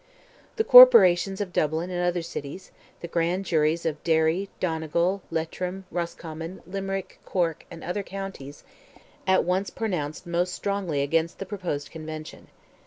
The corporations of Dublin and other cities, the grand juries of Derry, Donegal, Leitrim, Roscommon, Limerick, Cork, and other counties, at once pronounced most strongly against the proposed Convention.